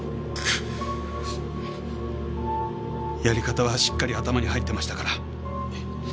やり方はしっかり頭に入ってましたから。